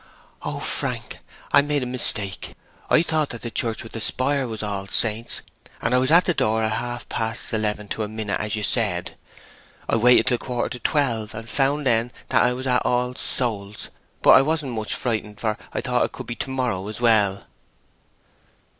"Oh, Frank—I made a mistake!—I thought that church with the spire was All Saints', and I was at the door at half past eleven to a minute as you said. I waited till a quarter to twelve, and found then that I was in All Souls'. But I wasn't much frightened, for I thought it could be to morrow as well."